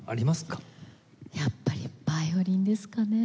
やっぱりヴァイオリンですかね。